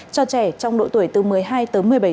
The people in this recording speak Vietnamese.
cho trẻ trong độ tuổi từ một mươi hai tới một mươi bảy